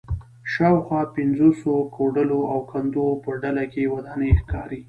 شاوخوا پنځوسو کوډلو او کندو په ډله کې ودانۍ ښکاري